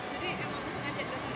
jadi emang sengaja datang dari jakarta